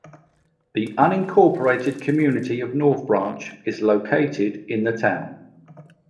The unincorporated community of North Branch is located in the town.